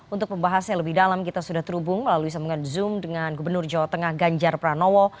untuk pembahasnya lebih dalam kita sudah terhubung melalui sambungan zoom dengan gubernur jawa tengah ganjar pranowo